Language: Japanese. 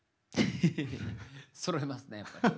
そろいますねやっぱり。